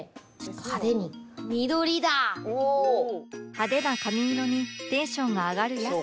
派手な髪色にテンションが上がるやす子